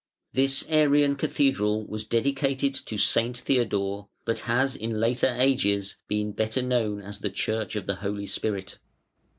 This Arian cathedral was dedicated to St. Theodore, but has in later ages been better known as the church of the Holy Spirit.